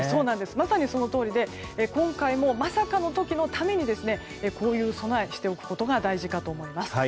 まさにそのとおりで今回も、まさかの時のためにこういう備えをしておくことが大事かと思います。